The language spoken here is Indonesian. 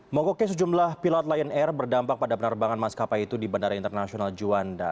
mogoknya sejumlah pilot lion air berdampak pada penerbangan maskapai itu di bandara internasional juanda